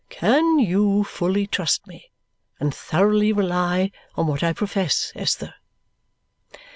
"Can you fully trust me, and thoroughly rely on what I profess, Esther?"